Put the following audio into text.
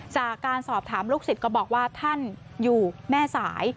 จากการสอบถามลูกศิษย์ก็บอกว่าท่านอยู่แม่สาย